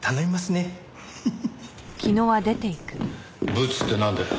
ブツってなんだよ？